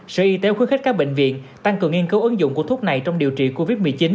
sở y tế khuyến khích các bệnh viện tăng cường nghiên cứu ứng dụng của thuốc này trong điều trị covid một mươi chín